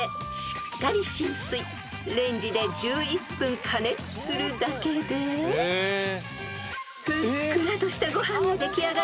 ［レンジで１１分加熱するだけでふっくらとしたご飯が出来上がります］